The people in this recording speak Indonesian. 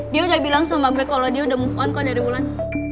dia udah bilang sama gue kalau dia udah move on kok dari bulan